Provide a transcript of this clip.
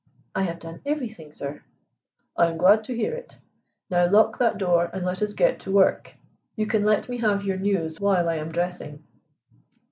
"I have done everything, sir." "I am glad to hear it. Now lock that door and let us get to work. You can let me have your news while I am dressing."